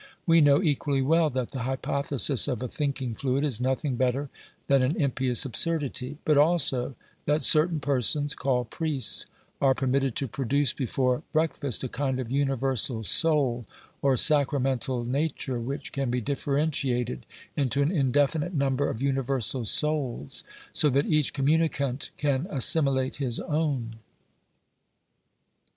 We know equally well that the hypothesis of a thinking fluid is nothing better than an impious absurdity;, but also that certain persons, called priests, are permitted to produce before break fast a kind of universal soul or sacramental nature which can be differentiated into an indefinite number of universal souls, so that each communicant can assimilate his own.